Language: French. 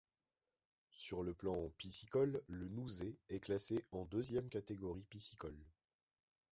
Sur le plan piscicole, le Nouzet est classé en deuxième catégorie piscicole.